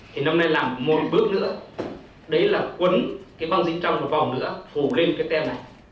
thì năm nay làm một bước nữa đấy là quấn cái mang tính trong một vòng nữa phủ lên cái tem này